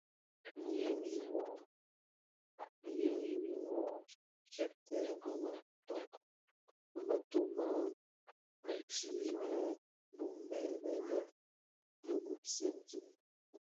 Ngheri win wuö kèbtèè bi mëto në metig më bum bèn bë bë dhi gubsèn dhi.